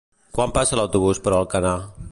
Quan passa l'autobús per Alcanar?